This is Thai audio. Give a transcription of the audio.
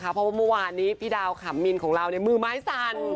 เพราะว่าเมื่อวานนี้พี่ดาวขำมินของเรามือไม้สั่น